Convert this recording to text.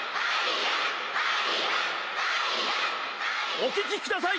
お聞きください！